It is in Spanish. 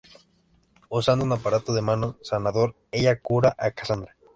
Usando un aparato de mano sanador, ella cura a Cassandra.